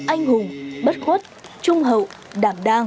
anh hùng bất khuất trung hậu đảm đang